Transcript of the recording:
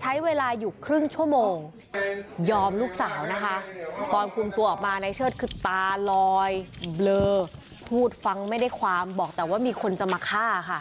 ใช้เวลาอยู่ครึ่งชั่วโมงยอมลูกสาวนะคะตอนคุมตัวออกมาในเชิดคือตาลอยเบลอพูดฟังไม่ได้ความบอกแต่ว่ามีคนจะมาฆ่าค่ะ